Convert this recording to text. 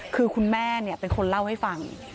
คือคุณแม่เป็นคนเล่าให้ฟัง